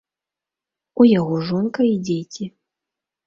У яго жонка і дзеці.